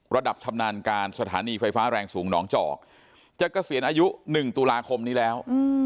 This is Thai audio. ระดับอัจฉมนานการสถานีไฟฟ้าแรงสูงเป็นนองจอกจากเกษียณอายุหนึ่งตุลาคมนี้แล้ว